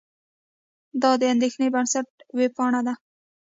دا د اندېښې بنسټ وېبپاڼه ده.